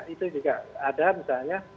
itu juga ada misalnya